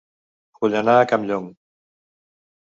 Vull anar a Campllong